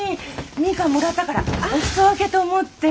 ミカンもらったからお裾分けと思って。